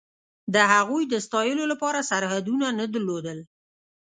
د هغوی د ستایلو لپاره سرحدونه نه درلودل.